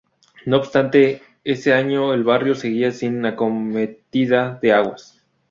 No obstante, ese año el barrio seguía sin acometida de aguas.